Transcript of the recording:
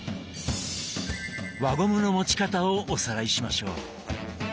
輪ゴムの持ち方をおさらいしましょう。